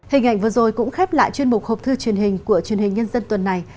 hình ảnh vừa rồi cũng khép lại chuyên mục hộp thư truyền hình của truyền hình nhân dân tuần này